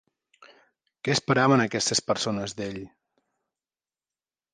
Què esperaven aquestes persones d"ell.